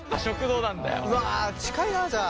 うわ近いなじゃあ。